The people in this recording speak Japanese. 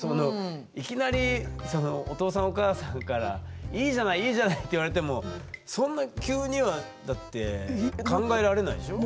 いきなりお父さんお母さんから「いいじゃないいいじゃない」って言われてもそんな急にはだって考えられないでしょ？